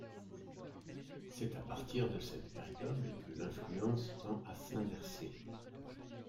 C’est à partir de cette période que l’influence tend à s’inverser.